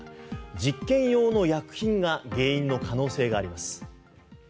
実験用の薬品が原因の可能性があります。